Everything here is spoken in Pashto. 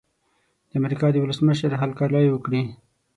د امریکا د ولسمشر هرکلی وکړي.